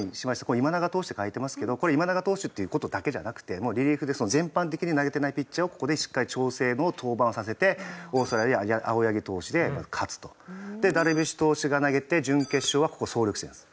今永投手って書いてますけどこれ今永投手っていう事だけじゃなくてもうリリーフで全般的に投げてないピッチャーをここでしっかり調整の登板をさせてオーストラリアは青柳投手で勝つと。でダルビッシュ投手が投げて準決勝はここ総力戦です。